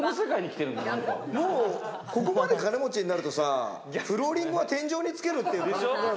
ここまで金持ちになるとさ、フローリングは天井につけるという。